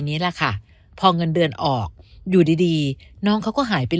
นี้แหละค่ะพอเงินเดือนออกอยู่ดีดีน้องเขาก็หายไป